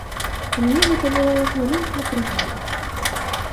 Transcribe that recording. Для мяне гэта была як маленькая прыгода.